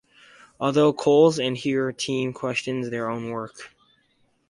Although Colls and here team question their own work.